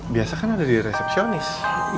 biasa kan ada di resepsionis